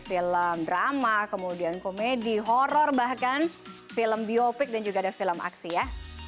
film drama kemudian komedi horror bahkan film biopik dan juga ada film aksi ya